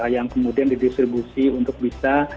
yang kemudian didistribusi untuk bisa